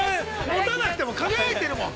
持たなくても輝いてるもん。